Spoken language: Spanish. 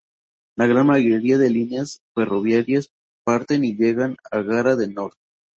La gran mayoría de líneas ferroviarias parten y llegan a Gara de Nord.